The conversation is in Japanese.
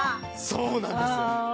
そうなんです